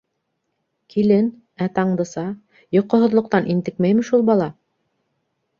- Килен... ә Таңдыса... йоҡоһоҙлоҡтан интекмәйме шул бала?